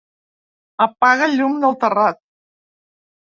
Apaga el llum del terrat.